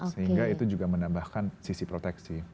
sehingga itu juga menambahkan sisi proteksi